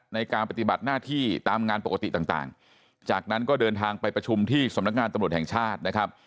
ในการปฏิบัติหน้าที่ตามงานปกติต่างจากนั้นก็เดินทางไปประชุมที่สำนักงานตำรวจแห่งชาตินะครับ